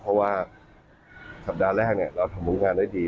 เพราะว่าสัปดาห์แรกเราทำผลงานได้ดี